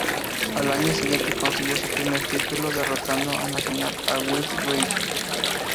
Al año siguiente consiguió su primer título derrotando en la final a Beals Wright.